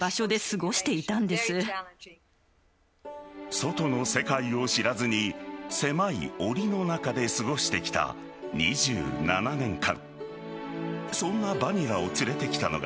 外の世界を知らずに狭いおりの中で過ごしてきた２７年間。